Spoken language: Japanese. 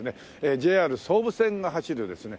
ＪＲ総武線が走るですね